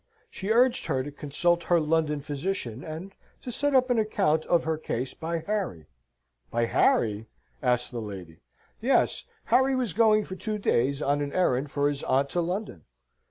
She urged her to consult her London physician, and to send up an account of her case by Harry. By Harry! asked the lady. Yes. Harry was going for two days on an errand for his aunt to London.